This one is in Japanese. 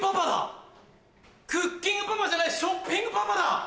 クッキングパパじゃないショッピングパパだ。